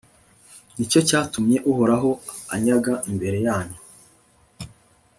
ni cyo cyatumye uhoraho anyaga imbere yanyu